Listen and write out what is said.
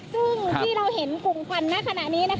ซึ่งที่เราเห็นกลุ่มควันณขณะนี้